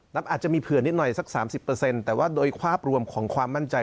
อาจจะมีเผื่อนิดหน่อยสัก๓๐แต่ว่าโดยภาพรวมของความมั่นใจ